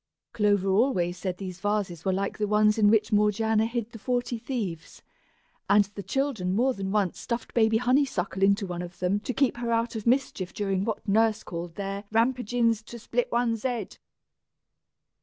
Clover always said these vases were like the ones in which Morgiana hid the Forty Thieves, and the children had more than once stuffed baby Honeysuckle into one of them to keep her out of mischief during what Nurse called their "rampagin's to split one's head."